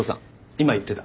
今言ってた。